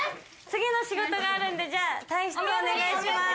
次の仕事があるんでじゃあ退室お願いします。